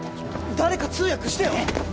誰か通訳してよ！